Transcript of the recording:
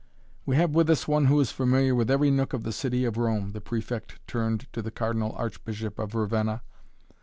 "We have with us one who is familiar with every nook in the city of Rome," the Prefect turned to the Cardinal Archbishop of Ravenna.